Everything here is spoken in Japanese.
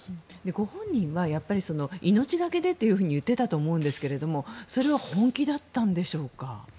ご本人は命懸けでというふうに言っていたと思うんですがそれは本気だったんでしょうか。